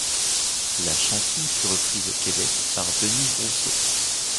La chanson fut reprise au Québec par Denise Brousseau.